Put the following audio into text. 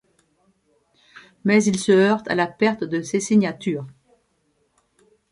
Mais il se heurte à la perte de ses signatures.